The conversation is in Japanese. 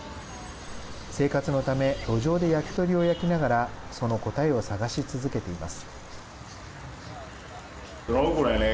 生活のため路上で焼き鳥を焼きながらその答えを探し続けています。